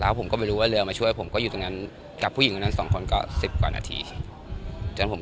แล้วผมก็ไปรู้เหลือมาช่วยผมก็อยู่แบบนั้นกับพกหญิงชน